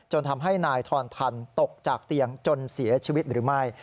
ทำให้นายทอนทันตกจากเตียงจนเสียชีวิตหรือไม่